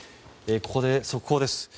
ここで速報です。